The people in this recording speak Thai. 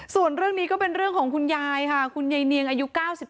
ส่วนเรื่องนี้ก็เป็นเรื่องของคุณยายค่ะคุณยายเนียงอายุ๙๒